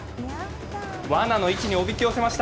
わなの位置におびき寄せました。